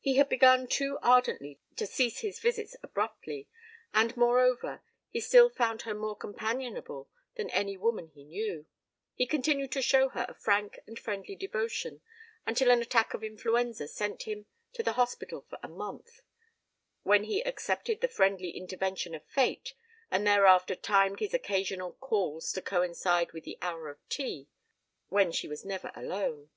He had begun too ardently to cease his visits abruptly and, moreover, he still found her more companionable than any woman he knew; he continued to show her a frank and friendly devotion until an attack of influenza sent him to the hospital for a month; when he accepted the friendly intervention of fate and thereafter timed his occasional calls to coincide with the hour of tea, when she was never alone.